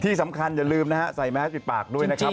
ที่สำคัญอย่าลืมนะฮะใส่แม้ปิดปากด้วยนะครับ